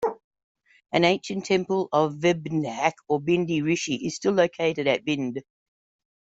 An ancient temple of Vibhandak or Bhindi Rishi is still located at Bhind.